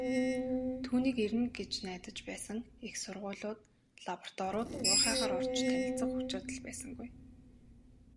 Түүнийг ирнэ гэж найдаж байсан их сургуулиуд, лабораториуд, уурхайгаар орж танилцах хүч чадал байсангүй.